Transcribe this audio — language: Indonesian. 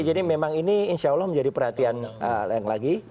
jadi memang ini insya allah menjadi perhatian yang lagi